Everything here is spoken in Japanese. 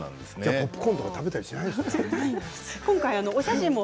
ポップコーンを食べたりしないんですね。